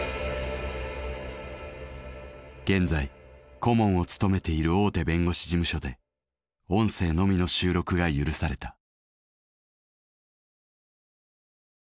現在顧問を務めている大手弁護士事務所で音声のみの収録が許された。